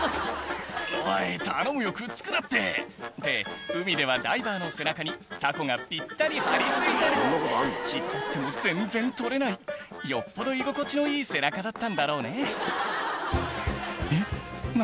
「おい頼むよくっつくなって」って海ではダイバーの背中にタコがぴったり張り付いてる引っ張っても全然取れないよっぽど居心地のいい背中だったんだろうねえっ何？